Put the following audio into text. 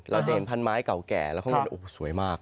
เราจะเห็นพันไม้เก่าแก่แล้วข้างบนสวยมาก